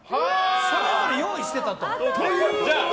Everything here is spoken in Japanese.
それぞれ用意してたってこと？